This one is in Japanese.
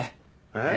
えっ？